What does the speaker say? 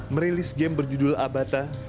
merilis game berjudul abata